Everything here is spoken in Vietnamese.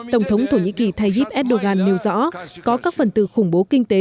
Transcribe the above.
tổng thống thổ nhĩ kỳ tayyip erdogan nêu rõ có các phần tử khủng bố kinh tế